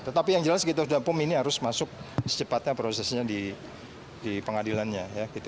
tetapi yang jelas gitu pum ini harus masuk secepatnya prosesnya di pengadilannya